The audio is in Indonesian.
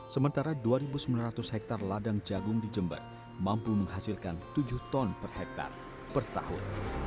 sementara dua sembilan ratus hektare ladang jagung di jember mampu menghasilkan tujuh ton per hektare per tahun